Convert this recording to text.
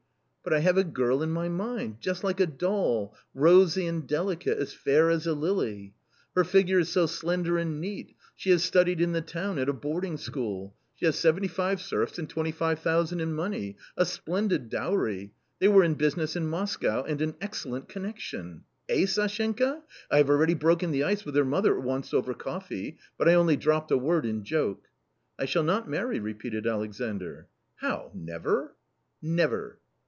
" But I have a girl in my mind — just like a doll, rosy and delicate, as fair as a lily. Her figure is so slender and neat ; she has studied in the town at a boarding school. She has seventy five serfs and 25,000 in money, a splendid dowry; they were in business in Moscow, and an excellent connection. Eh ? Sashenka ? I have already broken the ice with her mother once over coffee, but I only dropped a word in joke." " I shall not marry," repeated Alexandr. " How, never ?"" Never."